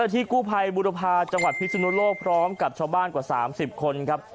ที่กู้ภัยบุรพาจังหวัดพิศนุโลกพร้อมกับชาวบ้านกว่า๓๐คนครับ